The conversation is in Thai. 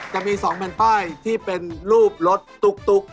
จะมี๒แผ่นป้ายที่เป็นรูปรถตุ๊ก